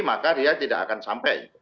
maka dia tidak akan sampai